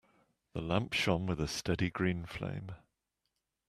The lamp shone with a steady green flame.